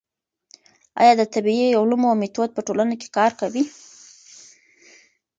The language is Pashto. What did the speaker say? ايا د طبيعي علومو ميتود په ټولنه کي کار کوي؟